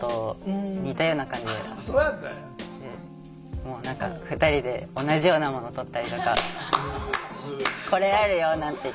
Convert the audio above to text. もう何か２人で同じようなもの取ったりとか「これあるよ」なんて言って。